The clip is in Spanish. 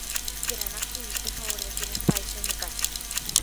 Gran activista a favor de quienes padecen de cáncer.